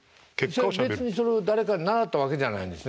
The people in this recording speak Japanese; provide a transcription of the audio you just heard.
別にその誰かに習ったわけじゃないんですね。